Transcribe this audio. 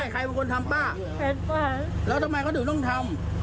แล้วทำไมเขาถึงต้องทำ